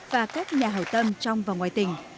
và các nhà hảo tâm trong và ngoài tỉnh